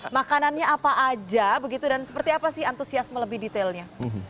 makanannya apa aja begitu dan seperti apa sih antusiasme lebih detailnya